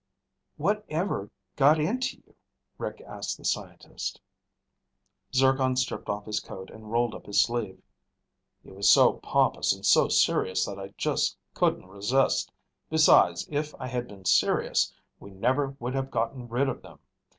"Whatever got into you?" Rick asked the scientist. Zircon stripped off his coat and rolled up his sleeve. "He was so pompous and so serious that I just couldn't resist. Besides, if I had been serious, we never would have gotten rid of them.